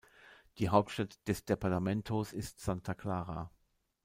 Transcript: Die Hauptstadt des Departamentos ist Santa Clara.